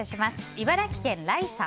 茨城県の方。